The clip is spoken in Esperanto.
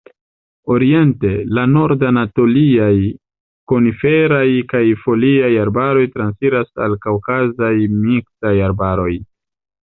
Oriente, la Nord-anatoliaj koniferaj kaj foliaj arbaroj transiras al Kaŭkazaj miksaj arbaroj.